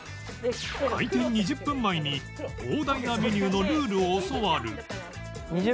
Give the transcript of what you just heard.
開店２０分前に膨大なメニューのルールを教わる